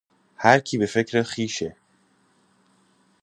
هر کی به فکر خویشه